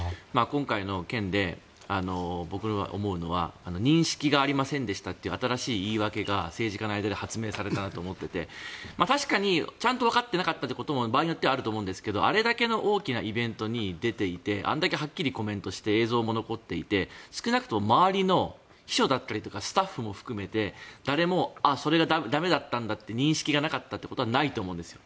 今回の件で僕が思うのは認識がありませんでしたっていう新しい言い訳が政治家の間で発明されたと思っていて確かに、ちゃんとわかっていなかったということも場合によってはあると思うんですがあれだけの大きなイベントに出ていてあれだけはっきりコメントしていて映像も残っていて少なくとも周りの秘書だったりとかスタッフも含めて誰も、それが駄目だったんだという認識がなかったということはないと思うんですよ。